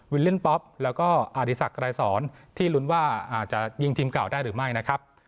เล่นป๊อปแล้วก็อดีศักดรายสอนที่ลุ้นว่าอาจจะยิงทีมเก่าได้หรือไม่นะครับ